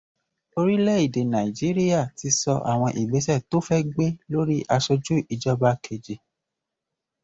Orílẹ̀èdè Nàìjíríà ti sọ àwọn ìgbésẹ̀ tó fẹ́ gbé lórí aṣojú ìjọba kejì